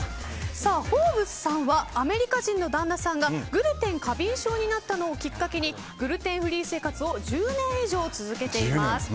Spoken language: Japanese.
フォーブスさんはアメリカ人の旦那さんがグルテン過敏症になったのをきっかけにグルテンフリー生活を１０年以上続けています。